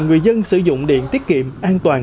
người dân sử dụng điện tiết kiệm an toàn